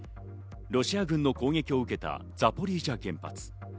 ロシア軍の攻撃を受けたザポリージャ原発。